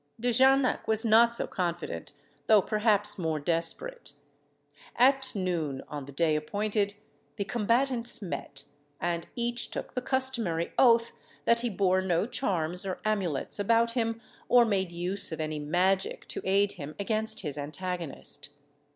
De Jarnac was not so confident, though perhaps more desperate. At noon, on the day appointed, the combatants met, and each took the customary oath that he bore no charms or amulets about him, or made use of any magic, to aid him against his antagonist.